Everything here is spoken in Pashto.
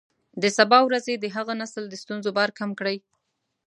د سبا ورځې د هغه نسل د ستونزو بار کم کړئ.